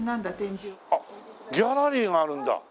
あっギャラリーがあるんだ。